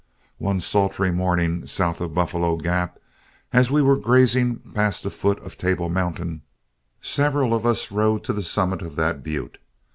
One sultry morning south of Buffalo Gap, as we were grazing past the foot of Table Mountain, several of us rode to the summit of that butte.